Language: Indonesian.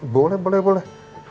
boleh boleh boleh